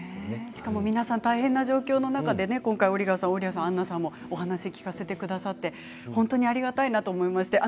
しかも皆さん大変な状況の中オリガさん、オーリャさんアンナさん、お話を聞かせてくださって本当にありがたいなと思いました。